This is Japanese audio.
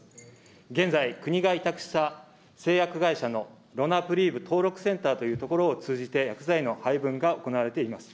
現在、国が委託した製薬会社のドナブリーブ登録センターというところを通じて、薬剤の配分が行われています。